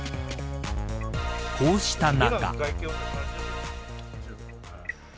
こうした中。